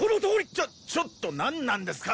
ちょっちょっとなんなんですか？